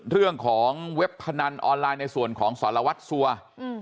เรื่องของเว็บพนันออนไลน์ในส่วนของสารวัฒน์สัวร์